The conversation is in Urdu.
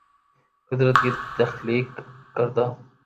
قدرت کی تخلیق کردہ